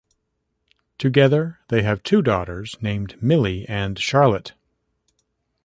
Together, they have two daughters named Millie and Charlotte.